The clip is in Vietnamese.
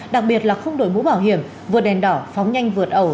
đặc biệt là không đổi mũ bảo hiểm vượt đèn đỏ phóng nhanh vượt ẩu